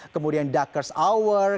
kemudian duckers hour